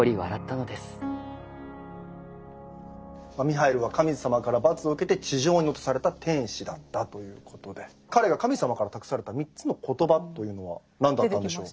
ミハイルは神様から罰を受けて地上に落とされた天使だったということで彼が神様から託された３つの言葉というのは何だったんでしょう？